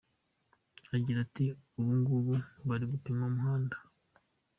Agira ati “Ubungubu bari gupima umuhanda.